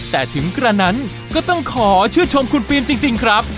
แต่ถึงกระนั้นก็ต้องขอชื่นชมคุณฟิล์มจริงครับ